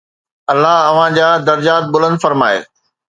الله اوهان جا درجات بلند فرمائي